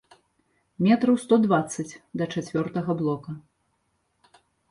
Метраў сто дваццаць да чацвёртага блока.